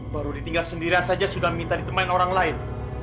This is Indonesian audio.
baru ditinggal sendirian saja sudah minta ditemani orang lain